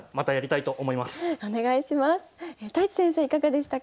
いかがでしたか？